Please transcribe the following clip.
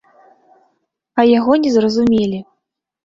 А яго не зразумелі.